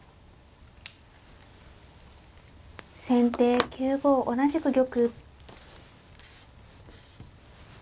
先手９五同じく玉。